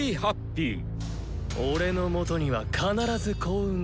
俺のもとには必ず幸運が舞い込む。